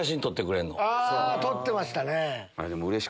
撮ってましたね。